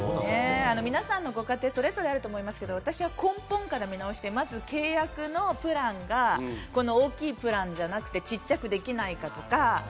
皆さんのご家庭、それぞれあると思いますが、私は根本から見直して、まず契約のプランが大きいプランじゃなくて、小さくできないかとか。